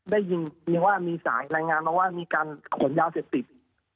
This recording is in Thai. ได้ยินว่ามีสายรายงานมาว่ามีการขนยาเสพติด